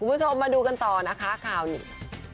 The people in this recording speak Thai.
คุณผู้ชมมาดูกันต่อนะคะข่าวนี้